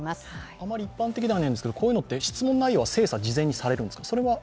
あまり一般的ではないんですけど、こういうのは質問内容は精査を事前にされるんですか？